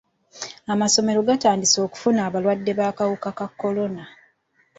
Amasomero gatandise okufuna abalwadde b'akawuka ka kolona.